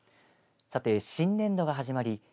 さて、新年度が始まり